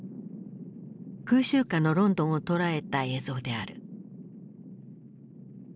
空襲下のロンドンを捉えた映像である。